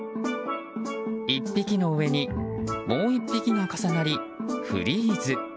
１匹の上にもう１匹が重なりフリーズ。